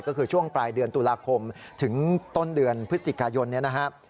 ก็คือช่วงปลายเดือนตุลาคมถึงต้นเดือนพฤศจิกายนนี้นะครับ